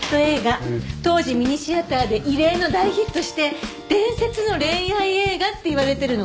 当時ミニシアターで異例の大ヒットして伝説の恋愛映画っていわれてるの。